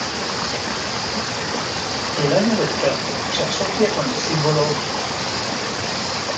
El "año del perro" se asocia con el símbolo 戌.